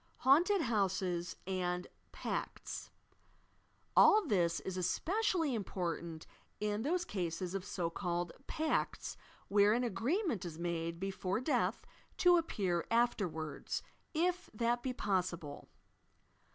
HAUNTED HOUSES AND "PACTS" AH this is especially important in those cases of so called "pacts," where an agreement is made before death to appear afterwards, if that be possible.